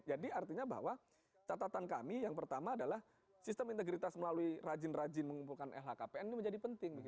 jadi artinya bahwa catatan kami yang pertama adalah sistem integritas melalui rajin rajin mengumpulkan lhkpn ini menjadi penting